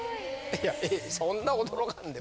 いやそんな驚かんでも。